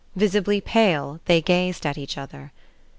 Visibly pale, they gazed at each other.